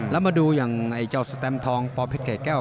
แล้วมาดูอย่างเจ้าสแตมทองปอเพชรเกรดแก้ว